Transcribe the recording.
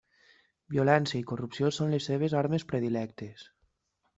Violència i corrupció són les seves armes predilectes.